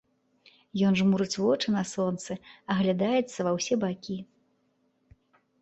Ён жмурыць вочы на сонцы, аглядаецца ва ўсе бакі.